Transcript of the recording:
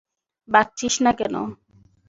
ভাগছিস না কেন?